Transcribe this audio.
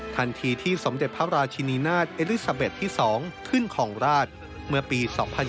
ทันทีที่สมเด็จพระราชินีนาฏเอลิซาเบ็ดที่๒ขึ้นของราชเมื่อปี๒๕๔